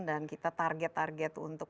dan kita target target untuk